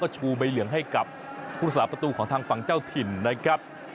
ชูใบเหลืองให้กับผู้สาประตูของทางฝั่งเจ้าถิ่นนะครับ